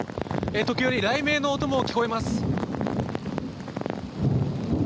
時折、雷鳴の音も聞こえます。